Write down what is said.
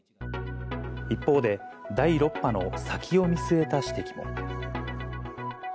一方で、第６波の先を見据えた指摘も。